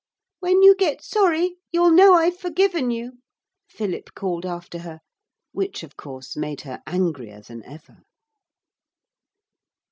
'When you get sorry you'll know I've forgiven you,' Philip called after her, which, of course, made her angrier than ever.